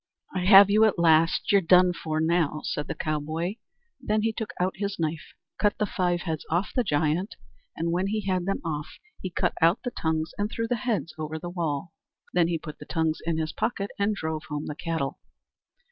"I have you at last; you're done for now!" said the cowboy. Then he took out his knife, cut the five heads off the giant, and when he had them off he cut out the tongues and threw the heads over the wall. Then he put the tongues in his pocket and drove home the cattle.